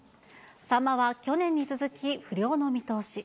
サンマは去年に続き、不漁の見通し。